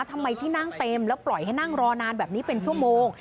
ทำไมที่นั่งเต็มแล้วปล่อยให้นั่งรอนานแบบนี้เป็นชั่วโมง